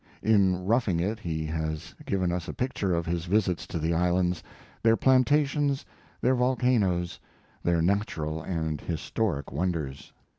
'In Roughing It' he has given us a picture of his visits to the islands, their plantations, their volcanoes, their natural and historic wonders.